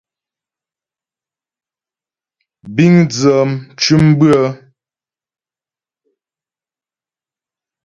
Bíŋ dzə mcʉ̌m bʉ́ə.